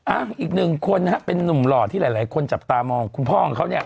อ้างอีกนึกคนน่ะเป็นนุ่มหลอดที่หลายคนจับตามว่าคุณพ่อครับ